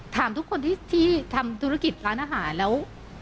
ถามทุกคนที่ทำธุรกิจร้านอาหารแล้ว